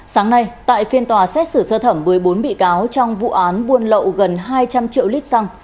sáng nay tại phiên tòa xét xử sơ thẩm một mươi bốn bị cáo trong vụ án buôn lậu gần hai trăm linh triệu lít xăng